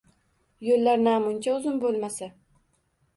Yo‘llar namuncha uzun bo‘lmasa?